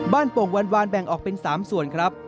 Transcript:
โป่งวานแบ่งออกเป็น๓ส่วนครับ